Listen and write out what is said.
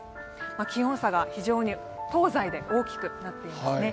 気温差が非常に東西で大きくなっていますね。